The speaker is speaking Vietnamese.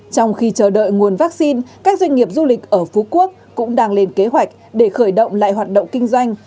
trong khi chờ đợi nguồn vaccine các doanh nghiệp du lịch ở phú quốc cũng đang lên kế hoạch để khởi động lại hoạt động kinh doanh